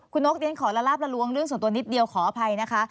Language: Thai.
คุณนกเดี๋ยวฉันขอละลาบละลวงเรื่องส่วนตัวนิดเดียวขออภัยนะคะ